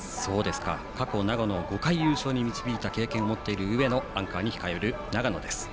過去、長野を５回優勝に導いた経験のある上野がアンカーに控える長野です。